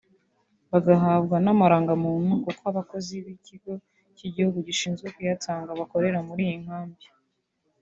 bagahabwa n’amarangamuntu kuko abakozi b’ ikigo cy’igihugu gishinzwe kuyatanga bakorera muri iyi nkambi